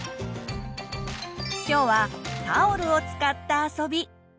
今日はタオルを使った遊び。